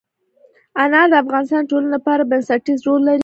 انار د افغانستان د ټولنې لپاره بنسټيز رول لري.